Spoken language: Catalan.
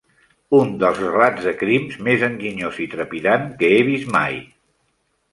Un dels relats de crims més enginyós i trepidant que he vist mai.